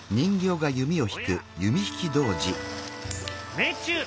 命中！